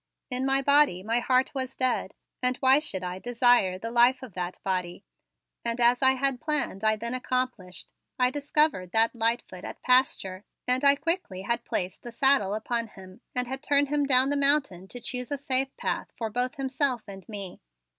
In my body my heart was dead and why should I desire the life of that body? And as I had planned I then accomplished. I discovered that Lightfoot at pasture and I quickly had placed the saddle upon him and had turned him down the mountain to choose a safe path for both himself and me.